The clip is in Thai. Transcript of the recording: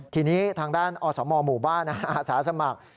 ทีนี้ทางด้านอสมหมู่บ้านอาสาสมัคร